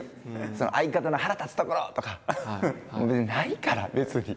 相方の腹立つところとかないから別に。